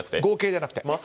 合計じゃなくて。